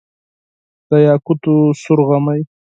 د یاقوتو سور غمی،